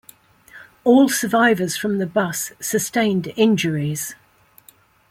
All survivors from the bus sustained injuries.